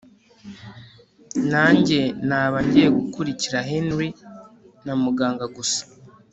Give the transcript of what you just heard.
nanjye naba ngiye gukurikira Henry na muganga gusa